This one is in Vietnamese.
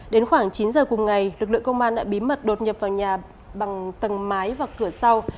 đến khoảng chín giờ cùng ngày lực lượng công an đã bí mật đột nhập vào nhà bằng tầng mái và cửa sau